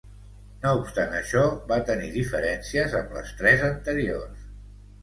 No obstant això va tenir diferències amb les tres anteriors.